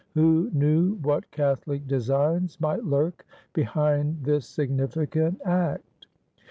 Who knew what Catholic designs might lurk behind this significant act?